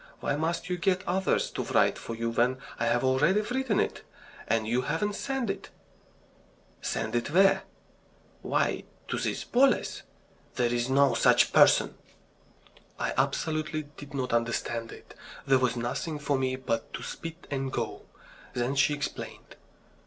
Why must you get others to write for you when I have already written it, and you haven't sent it?" "Sent it where?" "Why, to this Boles." "There's no such person." I absolutely did not understand it. There was nothing for me but to spit and go. Then she explained.